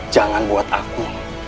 jangan buat aku